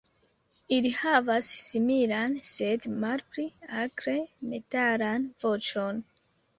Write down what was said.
Ili havas similan, sed malpli akre metalan voĉon.